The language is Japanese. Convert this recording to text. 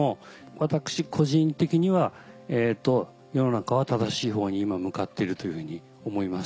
私個人的には世の中は正しい方に今向かっているというふうに思います。